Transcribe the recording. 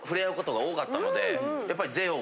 やっぱり。